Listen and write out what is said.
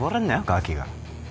ガキが。